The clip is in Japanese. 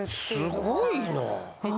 すごいな。